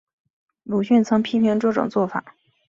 鲁迅曾批评这种做法。